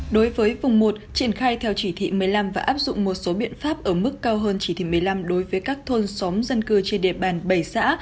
đối với vùng một triển khai theo chỉ thị một mươi năm và áp dụng một số biện pháp ở mức cao hơn chỉ thị một mươi năm đối với các thôn xóm dân cư trên địa bàn bảy xã